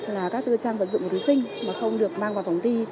là các trang vật dụng của thí sinh mà không được mang vào phòng thi